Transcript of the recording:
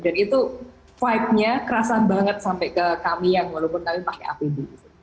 dan itu vibe nya kerasa banget sampai ke kami yang walaupun kami pakai apd